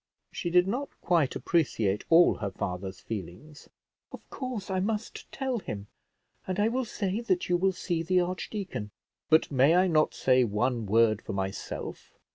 She did not quite appreciate all her father's feelings. "Of course I must tell him, and I will say that you will see the archdeacon." "But may I not say one word for myself?"